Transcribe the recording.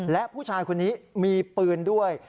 และผู้ชายคนนี้มีปืนด้วย